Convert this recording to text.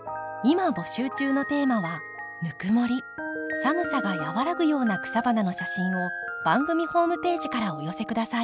寒さが和らぐような草花の写真を番組ホームページからお寄せ下さい。